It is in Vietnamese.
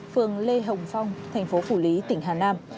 phường lê hồng phong thành phố phủ lý tỉnh hà nam